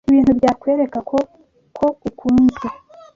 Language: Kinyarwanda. Ibintu byakwereka ko ko ukunzwe